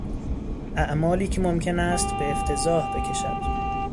اعمالی که ممکن است به افتضاح بکشد